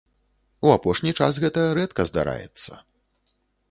У апошні час гэта рэдка здараецца.